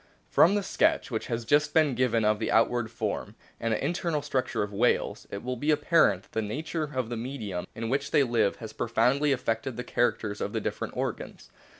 o From the sketch which has just been given of the outward form and the internal structure of whales, it will be apparent that the nature of the medium in which they live has profoundly affected the characters of the different organs.